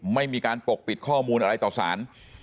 ไม่มีการปกปิดข้อมูลอะไรต่อสาร